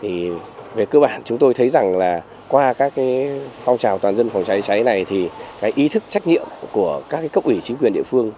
thì về cơ bản chúng tôi thấy rằng là qua các phong trào toàn dân phòng cháy chữa cháy này thì ý thức trách nhiệm của các cấp quỷ chính quyền địa phương